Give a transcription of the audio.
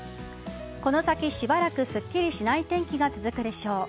この先、しばらくすっきりしない天気が続くでしょう。